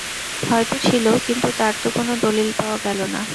হয়তো ছিল, কিন্তু তার তো কোনো দলিল পাওয়া গেল না।